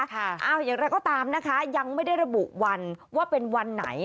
อย่างไรก็ตามนะคะยังไม่ได้ระบุวันว่าเป็นวันไหน